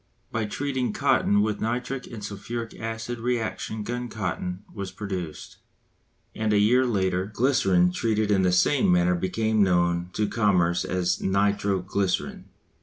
By treating cotton with nitric and sulphuric acid reaction gun cotton was produced; and a year later glycerine treated in the same manner became known to commerce as nitro glycerine.